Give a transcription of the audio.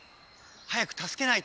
早くたすけないと！